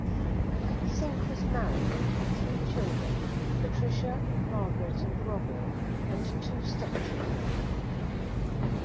Sink was married and had three children, Patricia, Margaret, and Robin, and two stepchildren.